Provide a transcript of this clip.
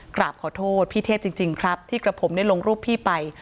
กราบขอโทษพี่เทพจริงครับที่กระผมได้ลงรูปพี่ไป